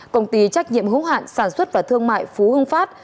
công ty trách nhiệm hữu hạn sản xuất và thương mại phú hưng phát